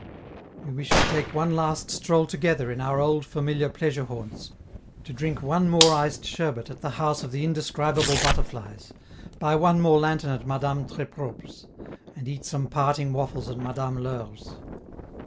We wish to take one last stroll together in our old familiar pleasure haunts, to drink one more iced sherbet at the house of the Indescribable Butterflies, buy one more lantern at Madame Tres Propre's, and eat some parting waffles at Madame L'Heure's!